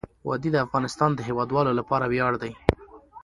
وادي د افغانستان د هیوادوالو لپاره ویاړ دی.